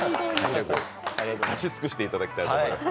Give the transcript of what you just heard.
出し尽くしていただきたいと思います！